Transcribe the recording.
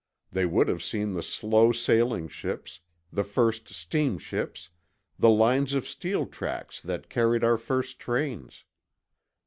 They would have seen the slow sailing ships, the first steamships, the lines of steel tracks that carried our first trains.